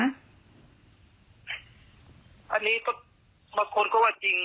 อันนี้ก็บางคนก็ว่าจริง